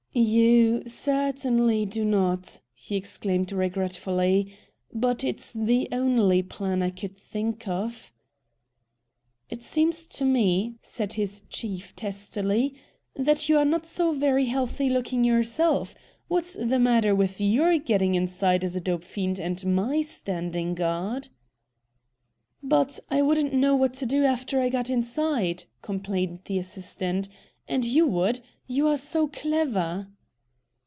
"You certainly do not," he exclaimed regretfully. "But it's the only plan I could think of." "It seems to me," said his chief testily, "that you are not so very healthy looking yourself. What's the matter with YOUR getting inside as a dope fiend and MY standing guard?" "But I wouldn't know what to do after I got inside," complained the assistant, "and you would. You are so clever."